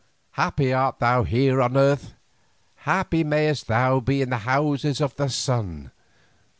Happy art thou here on earth, happy mayst thou be in the Houses of the Sun.